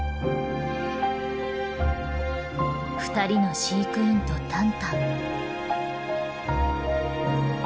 二人の飼育員とタンタン。